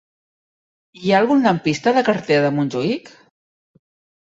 Hi ha algun lampista a la carretera de Montjuïc?